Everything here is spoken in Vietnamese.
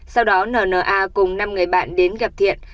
sau đó n n a cùng năm người bạn đến gặp thiện